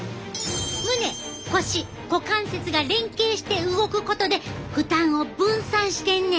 胸腰股関節が連係して動くことで負担を分散してんねん！